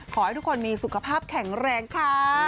ขอให้ทุกคนมีสุขภาพแข็งแรงค่ะ